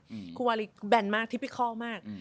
รูปของคุณวาลีก็แบนมากทิพิกัลมาก